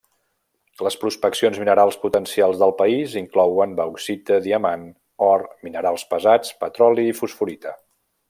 Les prospeccions minerals potencials del país inclouen bauxita, diamant, or, minerals pesats, petroli i fosforita.